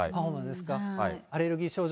アレルギー症状